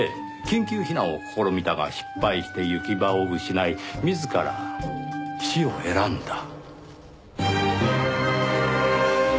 緊急避難を試みたが失敗して行き場を失い自ら死を選んだ。